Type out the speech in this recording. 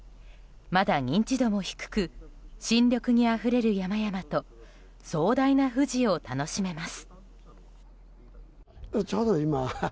まだ認知度も低く新緑にあふれる山々と壮大な富士を楽しめます。